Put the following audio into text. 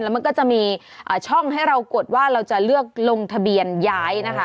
มันก็จะมีช่องให้เรากดว่าเราจะเลือกลงทะเบียนย้ายนะคะ